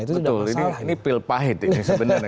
betul ini pil pahit ini sebenarnya